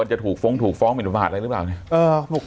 จะถูกฟ้องหมินประมาทอะไรหรือเปล่า